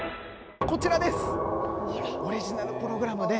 こちらです。